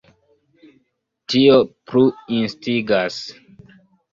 Tio plu instigas.